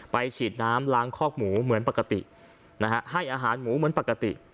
ฉีดน้ำล้างคอกหมูเหมือนปกตินะฮะให้อาหารหมูเหมือนปกติ